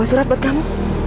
bawa surat buat kamu